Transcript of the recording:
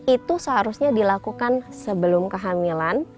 itu seharusnya dilakukan sebelum kehamilan